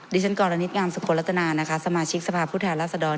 ดิฉันกรณงามสุขลัตนาสมาชิกสภาพผู้แทนราษฎร